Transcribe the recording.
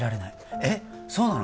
えッそうなの！？